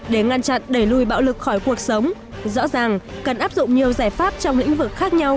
để ngăn chặn đẩy lùi bạo lực khỏi cuộc sống rõ ràng cần áp dụng nhiều giải pháp trong lĩnh vực khác nhau